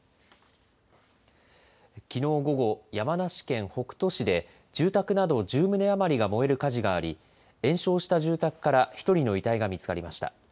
きのう午後、山梨県北杜市で、住宅など１０棟余りが燃える火事があり、延焼した住宅から１人の遺体が見つかりました。